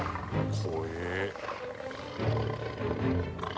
怖え。